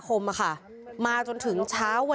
พ่อหยิบมีดมาขู่จะทำร้ายแม่